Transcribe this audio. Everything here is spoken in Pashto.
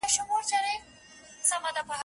تر کور دباندي له اغیاره سره لوبي کوي